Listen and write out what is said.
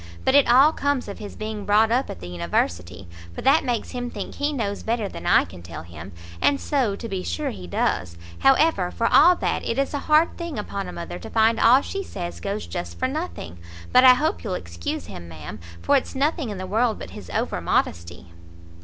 But it all comes of his being brought up at the university, for that makes him think he knows better than I can tell him. And so, to be sure, he does. However, for all that, it is a hard thing upon a mother to find all she says goes just for nothing. But I hope you'll excuse him, ma'am, for it's nothing in the world but his over modesty."